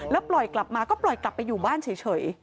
แล้วปล่อยกลับมาก็ปล่อยกลับไปอยู่บ้านเฉย